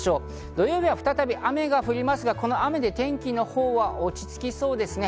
土曜日は再び雨が降りますが、この雨で天気のほうは落ち着きそうですね。